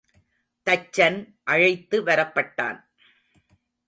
தச்சன் அழைத்து வரப்பட்டான்.